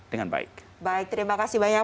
dengan baik baik terima kasih banyak